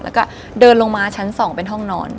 แล้วก็เดินลงมาชั้น๒เป็นห้องนอน